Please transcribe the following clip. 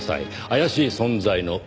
怪しい存在？